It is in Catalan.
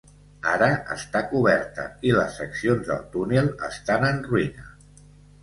Ara està coberta, i les seccions del túnel estan en ruïna.